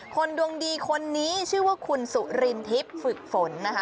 คนดวงดีคนนี้ชื่อว่าคุณสุรินทิพย์ฝึกฝนนะคะ